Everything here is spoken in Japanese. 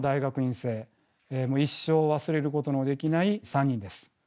一生忘れることのできない３人です。